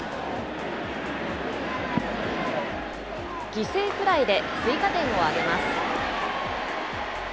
犠牲フライで追加点を挙げます。